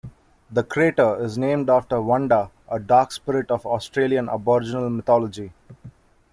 The crater is named after "Wunda", a dark spirit of Australian aboriginal mythology.